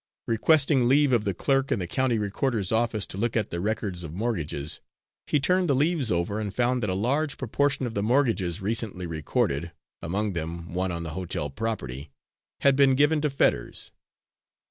Requesting leave of the Clerk in the county recorder's office to look at the records of mortgages, he turned the leaves over and found that a large proportion of the mortgages recently recorded among them one on the hotel property had been given to Fetters.